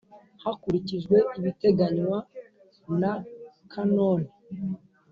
hakurikijwe ibiteganywa na Kanoni